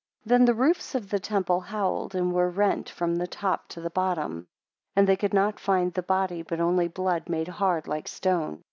23 Then the roofs of the temple howled, and were rent from the top to the bottom: 24 And they could not find the body, but only blood made hard like stone.